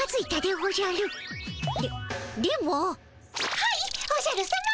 はいおじゃるさま。